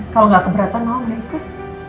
kalau gak keberatan mama boleh ikut